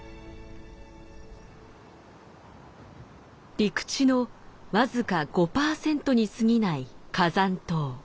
陸地の僅か５％にすぎない火山島。